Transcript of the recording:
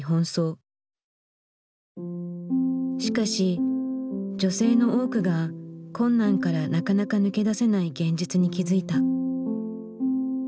しかし女性の多くが困難からなかなか抜け出せない現実に気付いた。